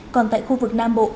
còn tại khu vực nam bộ